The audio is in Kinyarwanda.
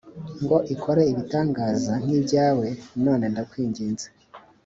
ngo ikore ibitangaza nk ibyawe none ndakwinginze